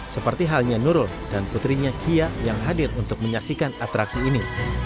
seperti halnya nurul dan putrinya kia yang hadir untuk menyaksikan atraksi ini